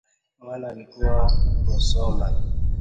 Mwana alikuva husoma